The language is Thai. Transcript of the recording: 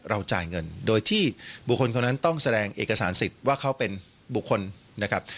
จ่ายเงินโดยที่บุคคลคนนั้นต้องแสดงเอกสารสิทธิ์ว่าเขาเป็นบุคคลนะครับ